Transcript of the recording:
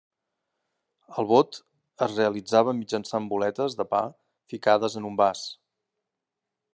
El vot es realitzava mitjançant boletes de pa ficades en un vas.